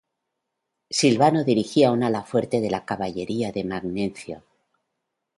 Silvano dirigía un ala fuerte de la caballería de Magnencio.